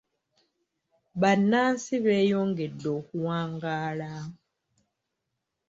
Bannansi beeyongedde okuwangaala.